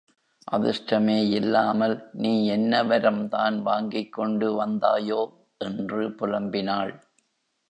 அதிர்ஷ்டமே இல்லாமல் நீ என்ன வரம் தான் வாங்கிக் கொண்டு வந்தாயோ, என்று புலம்பினாள்.